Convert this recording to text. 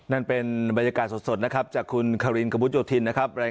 นั่นเป็นบรรยากาศสดนะครับจากคุณคารินกระมุดโยธินนะครับ